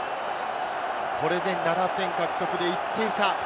これで７点獲得で１点差。